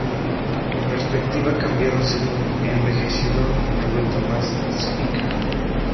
Mi perspectiva ha cambiado según he envejecido y me he vuelto más cínica.